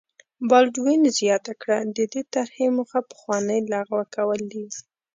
بالډوین زیاته کړه د دې طرحې موخه پخوانۍ لغوه کول دي.